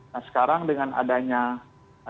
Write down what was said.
nah sekarang dengan adanya